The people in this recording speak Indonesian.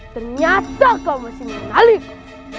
ternyata kau masih menaliku